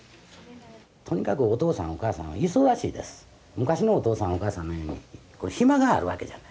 昔のお父さんお母さんのように暇があるわけじゃない。